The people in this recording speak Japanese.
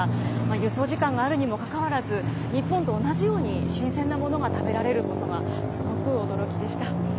輸送時間があるにもかかわらず、日本と同じように新鮮なものが食べられることがすごく驚きでした。